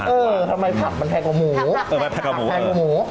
เออทำไมผักมันแพงกว่าหมู